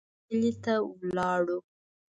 کلي ته ولاړو.